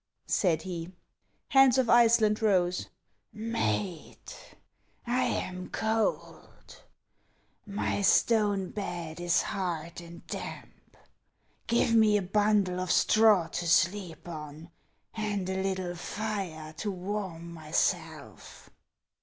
said he. Hans of Iceland rose. " Mate, I am cold ; my stone bed is hard and damp. Give me a bundle of straw to sleep on, and a little fire to warm myself."